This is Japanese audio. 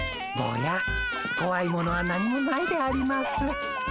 ぼうやこわいものは何もないであります。